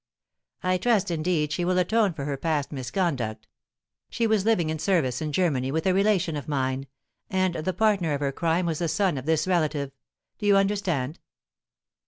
"I trust, indeed, she will atone for her past misconduct. She was living in service, in Germany, with a relation of mine, and the partner of her crime was the son of this relative. Do you understand?"